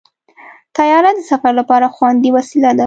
طیاره د سفر لپاره خوندي وسیله ده.